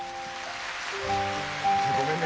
ごめんね。